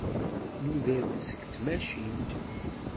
Nuder-d seg tmacint.